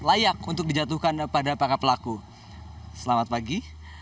layak untuk dijatuhkan pada para pelaku selamat pagi